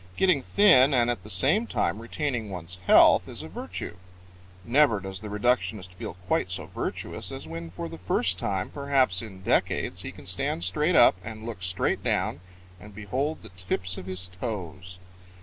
Getting thin and at the same time retaining one's health is a virtue. Never does the reductionist feel quite so virtuous as when for the first time, perhaps in decades, he can stand straight up and look straight down and behold the tips of his toes.